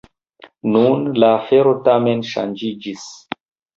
Nun la afero tamen ŝanĝiĝis.